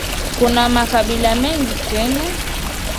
Kuna makabila mengi kenya